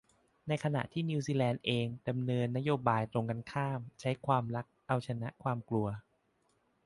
ในขณะที่นิวซีแลนด์เองดำเนินนโยบายตรงกันข้าม ใช้ความรักเอาชนะความกลัว